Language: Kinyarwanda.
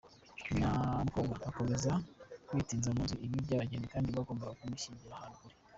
Nyamukobwa akomeza kwitinza mu nzu ibi by’abageni kandi bagombaga kumushyingira ahantu kure.